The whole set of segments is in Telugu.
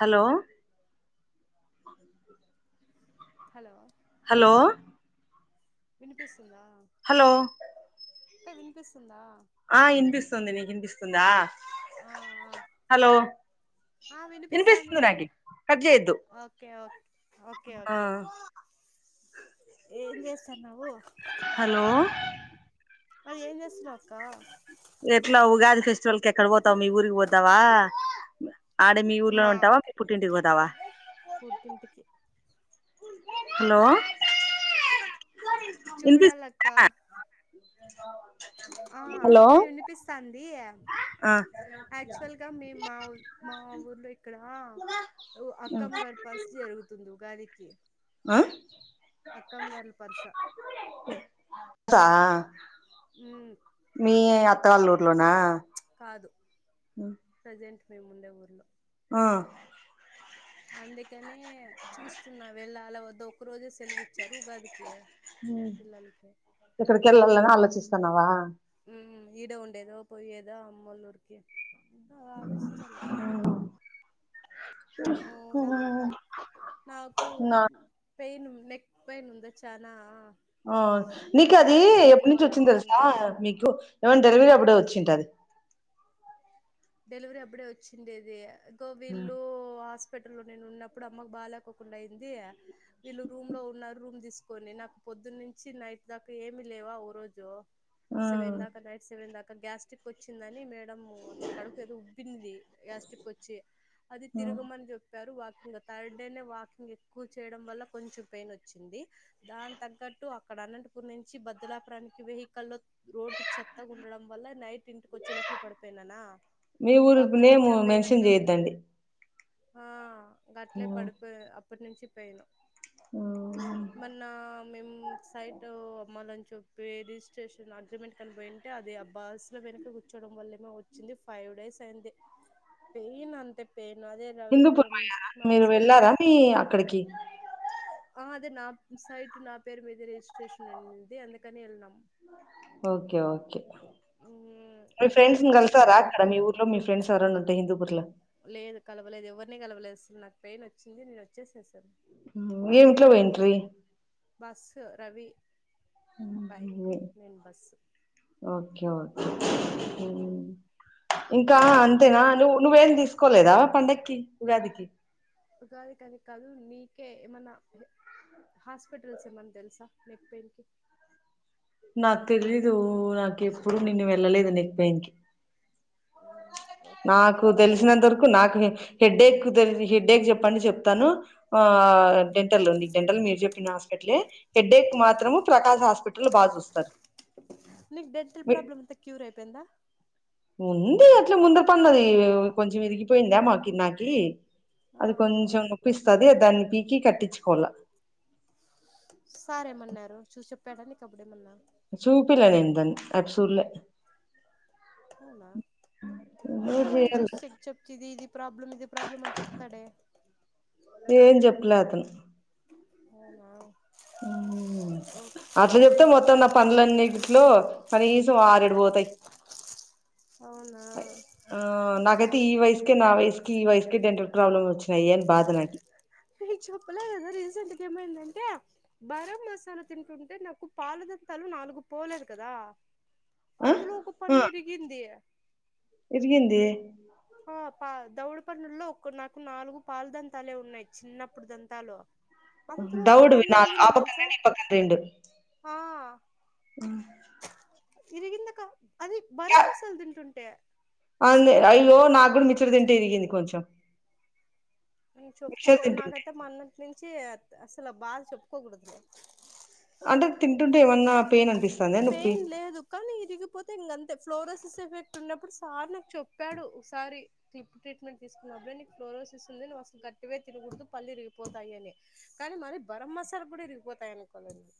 హలో హలో హలో వినిపిస్తూ ఆ హలో అక్క వినిపిస్తుందా ందా ఆ ఆ ఇనిపిస్తుంది వినిపిస్తాంది నాకి కట్ చేయొద్దు ఓకే ఓకే ఆ ఓకే ఏం చేస్తానవు హలో మరి ఏం చేస్తున్నావు అక్క ఎట్లా ఉగాది ఫెస్టివల్ కి ఎక్కడ పోతావు మీ ఊరికి పోతావా ఆడే మీ ఊర్లోనే మా ఉంటావా మీ పుట్టింటికి పోదావా పుట్టింటికి హలో చూడాలక్క ఇనిపిస్తుందా ఆ అక్క వినిపిస్తంది ఆ యాక్చువల్గా మేం మా ఊ మా ఊర్లో ఇక్కడ అక్కం గారి పరీస్తూ జరుగుతుంది ఉగాది [inaudible] అ అక్కం గర్ల పరుస ఆ మీ అక్కళ్ళూర్లోనా కాదు ప్రజెంట్ మేముండే ఊర్లో అ అందుక నే చూస్తున్నా వెళ్ళాల వెళ్ళాలా వద్ద ఒక రోజు సెలవు ఇచ్చారు ఉగాదికి పిల్లలకి నావా ఉ ఈడ ఉండేదో, పోయ్యేదో అమ్మోల్లూరుకి ఆ ఆలోచించాల ఇంకా [unintelligible] నాకు నా పెయిన్ నెక్ పెయిన్ ఉంద చనా ఆ నీకు అది ఎప్పనుంచి వచ్చింది తెలుసా, చూపించుకోవాలనుకుంటున్నాను మీకు ఏమైనా డెలివరీ అప్పుడే వచ్చుంటాది. - [unintelligible] డెలివరీ అప్పుడే వచ్చింది ఇదీ హ్మ్. కోవిల్లు హాస్ స్పిటల్లో నేను ఉన్నప్పుడు అమ్మకు బాలేకోకుండా అయింది. వీళ్ళు రూమ్ లో ఉన్నారు రూమ్ తీసుకు కొని నాకు పొద్దునుంచి నైట్ దాకా ఏమి లేవా ఓ రోజు ఆ సెవెన్ దాక నైట్ సెవెన్ దాకా గ్యాస్ట్రిక్ వచ్చిందని మేడం కడుపు ఏదో ఉబ్బింది గ్యాస్టిక్ వచ్చి అది ఆ! తిరగమని చెప్పారు. Walking third day walking ఎక్కువ చేయడం వల్ల కొంచెం పెయిన్ వచ్చింది. దాని తగ్గట్టు అక్కడ అనంతపూర్ నుంచి భదలాపురానికి వెహికల్ లో రోడ్డు చెత్తగా ఉండడం వల్ల నైట్ ఇంటికి వచ్చే లోపల పడిపోయినానా మీ ఇంకా ఊరు అప్పటి నుంచి నేము ఆ పెయిన్ మెన్షన్ అట్లే ఉంది చేయద్దండి. ఆ గట్లే పడిపోయా అప్ ప్పటి నుంచి పేయిన్ హ్మ్. మొన్న మేము సైట్ అమ్మాలని చెప్పి రిజిస్ట్రేషన్ అగ్రిమెంట్ కని పోయింటే అది ఆ బస్సు లో వెనక కూర్చోవడం వల్లమొ వచ్చింది. ఫైవ్ డేస్ అయింది పెయిన్ అంతే పెయిన్. అదే రవి హిందూపుర పోయారా మా మీరు హస్బెండ్ కి వెళ్ళారా మీ అక్కడికి అదే నా సైట్ నా పేరు మీద రిజిస్ట్రేషన్ అయింది అందుకని వెళ్లినాం. ఓకే ఓకే మ్ మీ అగ్రిమెంట్ ఫ్రెండ్స్ని కోసం అని కలిసారా వెళ్ళి అక్కడ మీ ఊర్లో మీ ఫ్రెండ్స్ ఎవర ఉంటే హిందూపుర్లో. లేదు కలవలేదు, ఎవరిని కలవలేదు అసలు నాకు పెయిన్ వచ్చింది నేను వచ్చేసాను. ఏమిట్లో పోయింట్రి బస్ రవి బైకు నేను బస్సు ఓకే ఓకే ఇంకా ఇంకా అంతేనా నువ్వు నువ్వేం తీసుకు లేదా పండకి వవాటికి కాది కానీ కదు నీకే ఏమన్నా హాస్పిటల్స్ ఏమన్నా తెలుసా నెక్ పెయిన్ కి నాకు తెలిదు నాకు ఇప్పుడు నిన్న వెళ్ళలేదు నెక్ బయిన్కి ఓకే నాకు తెలిసినంత వరకు నాకు హెడ్డేక్ హెడ్డేక్ చెప్పండి చెప్తాను ఆ డెంటల్ ఉంది డెంటల్ మీరు చెప్పిన హాస్పిటల్ హెడ్డేక్ మాత్రము ప్రకాష్ హాస్పిటల్ బా నీకు డెంటల్ ప్రాబ్లమ్ క్యూర అయిపోయిందా ఉంది అట్లా ముందర పన్నది కొంచెం విరిగిపోయిందా మాకి నాకి ఆ అది కొంచం నొప్పి వస్తు దాన్ని పీకి కట్టించుకోవాల సారేమన్నారు చూ పెడాడి కప్పుడే మన్నా చూపిలే ఎంతం అప్సూర్ల అవునా మొత్తం అన్న చూస్త ఎక్ చెప్తే ఇది ఇది ప్రాబ్లం ఇది ప్రాబ్లం అని చెప్తాడే తును అవునా ఓకే అట్లా చెప్తే ఓకే మొత్తం నా పనులన్నిట్లో కనీసం ఆరేడుపోతాయి అవునా ఆ నాకైతే ఈ వయసుకే నా వయసుకకి ఈ వయసుకే డెంటల్ ప్రాబ్లమ్ వచ్చినాయి అని బాధ నాకి నకు చెప్పలే కదా రీసెంట్ ఏమైందంటే బరం మసాలా తింటుంటే నాకు పాలదంతాలు నాలుగు పోలేదు కదా ఆ అందులో ఒక ఆ పన్న ఇరిగింది ఇరిగింది పా దౌడిపన్నుల్లో ఒక నాకు నాలుగు పాలు దంతాలే ఉన్నాయి చిన్నప్పుడు దంతాలు అందులో ఒక దౌడువి పన్ను నాలు ఇరిగింది ఆపన్న తెలుసా రెం ఇప్పన్న రెండు ఆ ఇరిగిందకా అది బరం మసాలా తింటుంటే అ అయ్యో నా అడు మిత్ర్ర తింటే ఇరిగింది కొంచెం మిక్చర్ చెప్పుకో తింటుంటే నాకైతే మన్నటి నుంచి అసలు బాద చెొప్పుకోకూడదులే అంటే తింటుంటే ఏమన్నా పెయిన్ అనిపిస్తందా నొప్పి పెయిన్ లేదు కానీ ఇరిగిపోతే ఇంకంతే ఫ్లోరోసిస్ ఎఫెక్ట్ ఉన్నప్పుడు సార్ నాకు చెప్పాడు ఒకసారి టప్పు ట్రీట్మెంట్ తీసుకున్నప్పుడే నీకు ఫ్లోరోసిస్ ఉందివ్ అసలు గట్టిగాే తినకూడదు పళ్ళ రరిగిపోతాయి అని కానీ మరిీ బరం మసాలా కూడా రరిగిపోతాయి అనుకోవాలండి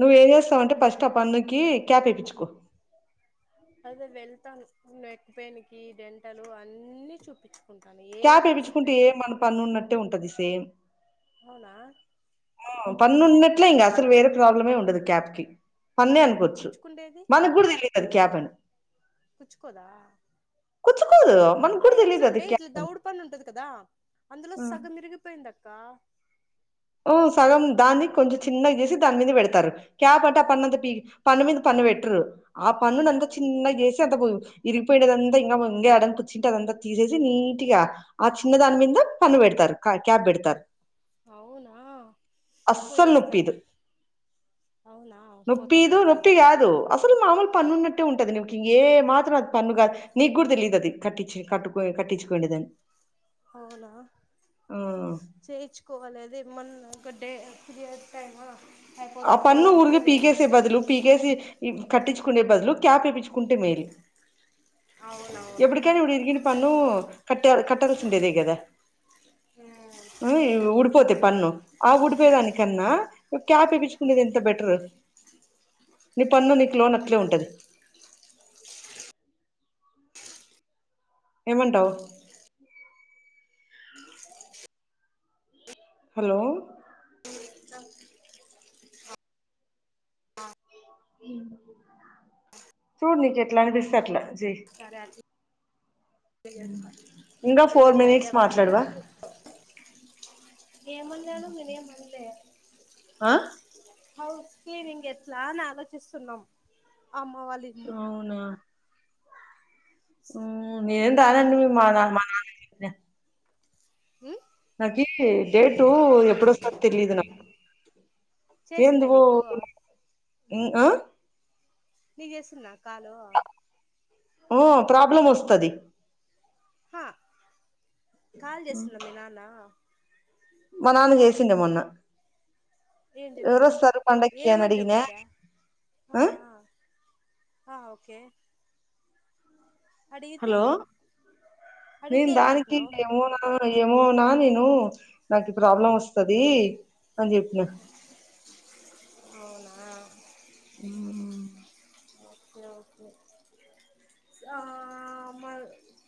నువ్వు ఏం చేస్తావంటే ఫస్ట్ స్టాప్ అన్నకి క్యాబ్ వేయించుకో అదే వెళ్తాను నెక్ పెయిన్ కి డెంటల్ అన్ని చూపిించ క్యాప్ ఇపించుకుంటే ఏ మన పన్ను ఉన్నట్టే ఉంటంది సేమ్ అవునా పన్నన్నట్లా ఇం అసలు వే ప్రాబ్లమే ఉండదు క్యాప్కి పన్నే అనుకోవచ్చు కుచ్చుకుండేది మనకి కూడా తెలి అది క్యాపను కుచ్చుకోదా కుచ్చుకోదు మనకు కూడా తెలియదు అది ఎట్లంటే ఇట్లా క్యాబ్ అని దౌడ పన్ను ఉంటది కదా అందులో సగం ఇరిగిపోయిందిక్క అక్కా ఓ సగం దాన్ని కొంచెం చిన్నగా చేసి దాని మీద పెడతారు క్యాపట పన్నుంత ప పన్ను మీద పన్ను పెట్టరు ఆ పన్నును ఎంత అవు చిన్నగా చేసి అంత పోయి ఇరిగిపోయినదంతా ఇంకా యాడని పుచ్చుింటే అదంతా తీసేసి నీట్ గా ఆ చిన్న దాని మీద పన్ను పెడతారు క్యాప్ పెడతారు. అవునా అస్సలు పోయేస్తాను నొప్పిదు అవునా నొప్పి పోతా ఇ పోతా నొప్పి అయితే కాదు అసలు మామూలు పన్ను ఉన్నట్టే ఉంటది నీకు ఇంక ఏ మాత్రం అది పన్ను కాదు నీకు కూడా తెలిదు అది కట్టి కట్టుకో కట్టించుకోనేదని అవునా చేయించుకోవాలి అదే మొన్న ఒకటే పీరియడ్స్ టైమా ఆ అయిపోతే పన్ను పోదామని ఊరికి వెయిట్ పీకేసీ చేస్తాను బదులు పీకేసి కట్టించుకునే బదులు క్యాప్ ఎపించుకో కుంటే మేలు అవునవును ఎప్పటికైనా ఇరిగిన పన్ను క కట్టాల్సి ఉండేదే కదా హు ఉడిపోతే పన్ను ఆ డిపోయేదానిన్నా క్యాప్ కునేది ఎంత బెటర్ నీ పన్ను నీకు లోన అట్లే ఉంటది. ఏమంటవు. హలో చూడు నీకట్లా అనిపిస్తే అట్లా చెయ్ సరే ఇంకా ఫోర్ మినిట్స్ మాట్లాడవా [unintelligible] ఏమన్నాను నేను ఏమన్లే ఆ హౌస్ క్లీనింగ్ ఎట్లా అని ఆలోచిస్తుస్తున్నాం. అమ్మ వళ్ళ ఇల్లు నేనే ఎం రానండి ఉమ్ మా నా మా నాన్న [unintelligible] నాకిీ డేటు ఎప్పుడూ వస్తాదో తెలిదు నాకు ఏంద చేసిందా నీకు ఇ ఓ నీకు చేసిన్న ఓ ప్రాబ్లమ్ వస్థా తది హా కాల్ చేసిన్న మీ నాన్న మ నాన్న చేసిండే మొన్న ఏం చెప్పినావు ఎవరొస్తారు పండక్కి అని ఏమని అడిగినా చెప్పిందా ఆ ఆ ఆ ఓకే అడిగితే హలో నేను అడిగితే ఏం దానికి చెప్పినావు ఎమో నా ఏమోనా నేను నాకు ప్రాబ్లం వస్తుది, అని చెప్పిన అవునా ఆ ఓకే ఓకే ఆ మా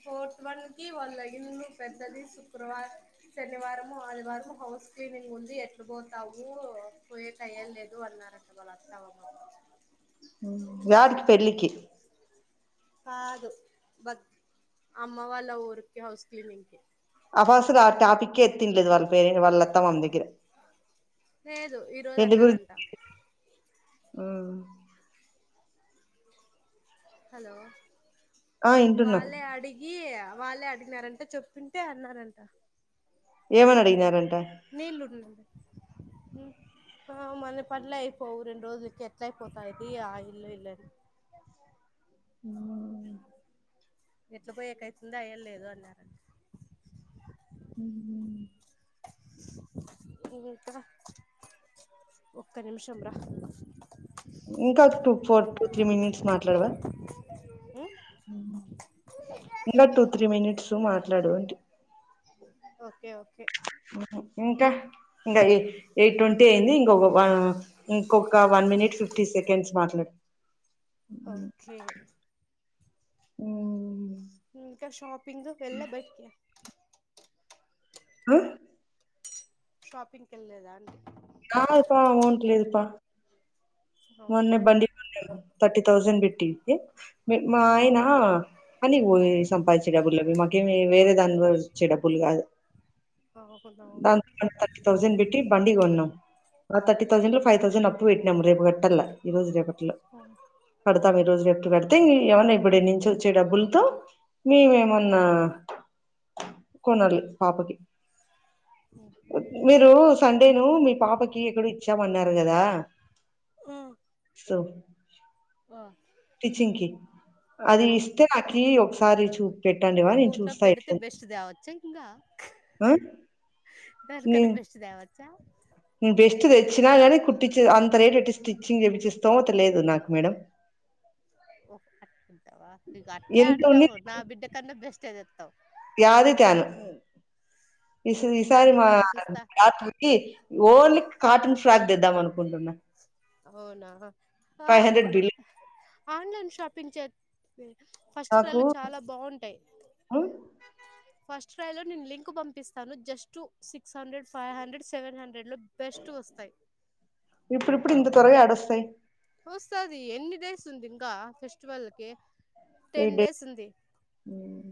ఫోర్త్ వన్ కి వాళ్ళ ఇల్లు పెద్దది శుక్రవారం శనివారంము ఆదివారంము హౌస్ క్లీనింగ్ ఉంది ఎట్లు పోతావు పోయే టైం లేదు అన్నారడి, వల్ల అత్త వ ఎడికి పెళ్ళికి, కాదు బక్ అమ్మ వాళ్ళ ఊరికి హౌస్ క్లీనింగ్ కి అ బస్సు ల ఆ టాపికే ఎత్తింది లేదు వాని పేరు వాళ్ళ అత్త మన దగ్గర, లేదు ఈ రోజు అన్నరంట ఊ హలో ఆ వింటున్నా వాళ్లే అడిగి వాళ్ళే అడిగినారంట చెప్పింటే అన్నారంట ఏమన్ అడిగినారంట ఆ మన పనులేఅయిపోవు రెండు రోజులకి ఎట్ల అయిపోతాది ఆ ఇల్లు ఇల్లు అని ఆ ఎట్లా పోయి ఎకైతుంది అయ్య లేదు అన్నారు అంట హు ఏ అక్క ఒక్క నిమిషం రా ఇంకా two four two three minutes మాట్లాడవా ఉమ్ ఉన్నది టూ త్రీ మినిట్స్ మాట్లాడు అ ఓకే ఓకే ఇంకా ఇంకా ఎ ఎయిట్ ట్వంటీ అయింది ఇంకొక ఇంకొక వన్ మినిట్ ఫిఫ్టీ సెకండ్స్ మాట్లాడు, ఓకే ఊ ఇంకా షాప్ పింగ్ వెళ్లే బయటికి, ఆ షాపింగ్ వెళ్లేదా అండి, నా పా అమౌంట్ లేదుపా మొన్నె అవునా బండి కొన్నారు థర్టీ థౌసండ్ పెట్టేసి మా ఆయన పని పోయి సంపాదించే డబులు అవి మాకేమి వేరే దాని వచ్చే డబ్బులు కాదు అవునవును దాని థర్టీ థౌసండ్ పెట్టి బండి కొన్నాం ఆ థర్టీ థౌసండ్ లో ఫైవ్ థౌసండ్ అప్పు పెట్టినాము రేపు గ ఈ రోజు రేపట్లు కడతాము ఈ రోజు రే పెడితే ఇ ఏమైన్నా ఇప్పుడే నుంచి వచ్చే డబ్బులతో, మేమేమన్నా కొనలి పాపకి మీరు సండేను మీ పాపకి ఎక్కడో ఇచ్చామన్నారు కదా [unintelligible] ఓ టీచింగ్ కి అది ఇస్తే నాకీ ఒ సారి చు ఫోటో పెడితే బెస్ట్ త్యవచ్చా ఇంగా ఆ సర్ నే కన్న బెస్ట్ ద్యావ చ నేను బెస్ట్ తెచ్చినా గాని కుట్టించే అంత రేట్ పెట్టి [unintelligible] లేదు నాకు మేడం అవా ఇంగ అట్లే ఎంత ఉండి అంటావు నా బిడ్డ కన్నా బె [unintelligible] జెట్తవ్ యాది త్యాను ఇసు ఈసారి కాదు మా కాదు చూస్తా రాత్రకి ఓన్లీ కాటన్ ఫ్రాక్ తేద్ద మను కొంటున్నా అవునా ఆ ఫ్ online shopping first cry నాకు లో చాలా బాగుంటాయి ఉమ్, ఫస్ట్ క్రై లో నేను లింక్ పంపిస్తాను just six hundred five hundred seven hundred లో బెస్టూవ్ వస్తాయి ఇప్పుడిప్పుడు ఇంత త్వరగా యాడ వస్తాయ్ వస్తది ఎన్ని డేస్ ఉంది ఇంకా ఫెస్టివల్కి ఏ టెన్ డే డేస్ ఉంది ఉమ్,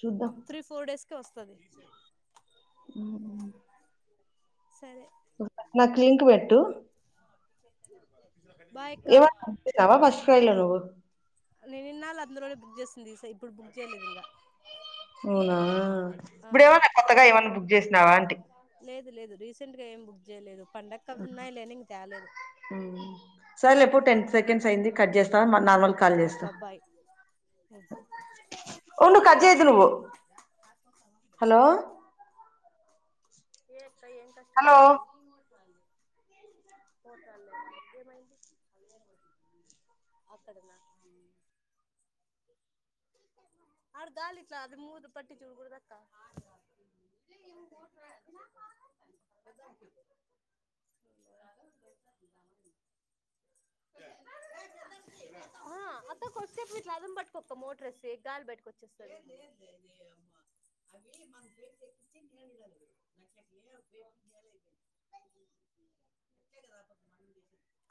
చూద్దాం త్రీ ఫోర్ డేస్ కి వస్తది ఉమ్, సరే నాకు లింక్ పెట్టు [inaudible] బాయ్ అక్క ఏమా [unintelligible] ఫస్ట్ క్రై లో నువు ఉంది సై ఇప్పుడు బుక్ చేయలేదు ఇంగా ఆ ఇప్పుడేమన్నా కొత్తగా ఏమన్నా బుక్ చేసినావా అంట లేదు లేదు రీసెంట్ గా ఏం బుక్ చేయలేదు పండగ అవి ఉన్నాయి లేని ఇంక తేలేదు సరలే పూట ఎంత సెంస్ అయింది కట్ చేస్త నార్మల్ కాల్ ఓకే చేస్తా అక్క బాయ్ ఉండు కట్ చేయద్దు నువ్వు హలో ఏ ఇకా ఏం కష్టం హలో వచ్చింది పోటలేదా ఏమైంది అక్కడ ఆడ గాలి ఇట్లా అది మూరు పట్టి చూడుకూడ దక్క అహా అక్క కొద్దిసేపు ఇట్ల రధం పట్టుకో అక్క మోటరేస్ ఎ గాలు పెట్టుకొచ్చేస్తాది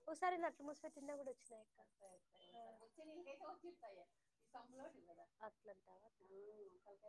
ఓ సారి నట్లు మూసే కింద కూడా వచ్చినాయి